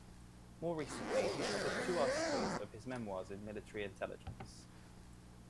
More recently he published two articles of his memoirs in military intelligence.